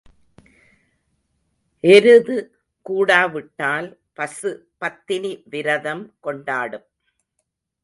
எருது கூடா விட்டால் பசு பத்தினி விரதம் கொண்டாடும்.